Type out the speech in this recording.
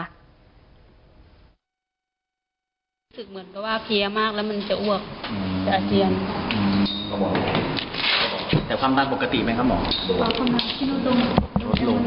เหมือนก็ว่าเพลียมากแล้วมันจะอวกจะอาเจียนอืม